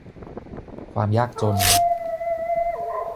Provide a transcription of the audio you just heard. ความยากจน